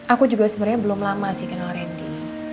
aku juga sebenarnya belum lama sih kenal randy